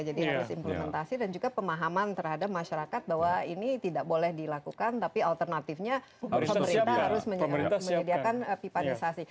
jadi harus implementasi dan juga pemahaman terhadap masyarakat bahwa ini tidak boleh dilakukan tapi alternatifnya pemerintah harus menyediakan pipanisasi